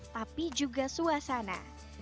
tapi juga suasana